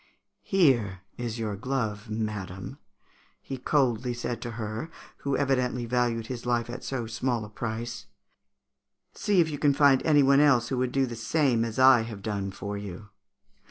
'Here is your glove, madam,' he coldly said to her who evidently valued his life at so small a price; 'see if you can find any one else who would do the same as I have done for you.'